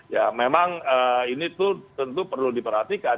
ya memang ini tuh tentu perlu diperhatikan